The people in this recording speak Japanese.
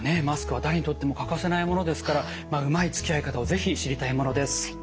マスクは誰にとっても欠かせないものですからうまいつきあい方を是非知りたいものです。